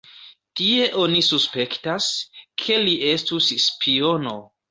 Tie oni suspektas, ke li estus spiono.